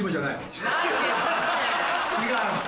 違う？